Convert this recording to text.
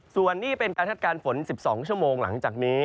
ส่วนนี้เป็นการคาดการณ์ฝน๑๒ชั่วโมงหลังจากนี้